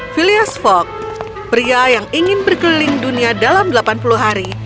philias fok pria yang ingin berkeliling dunia dalam delapan puluh hari